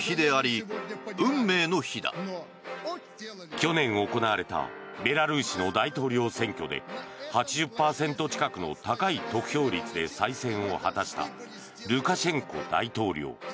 去年行われたベラルーシの大統領選挙で８０％近くの高い得票率で再選を果たしたルカシェンコ大統領。